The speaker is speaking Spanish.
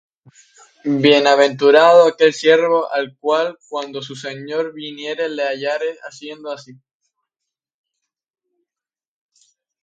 Bienaventurado aquel siervo, al cual, cuando su señor viniere, le hallare haciendo así.